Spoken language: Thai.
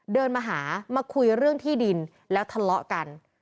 เดินมาหามาคุยเรื่องที่ดินแล้วทะเลาะกัน